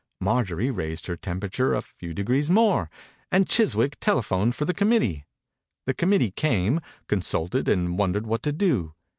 Mar jorie raised her temperature a few degrees more and Chiswick telephoned for the committee. The committee came, con sulted and wondered what to do.